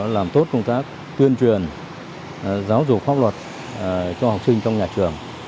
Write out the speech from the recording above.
làm tốt công tác tuyên truyền giáo dục pháp luật cho học sinh trong nhà trường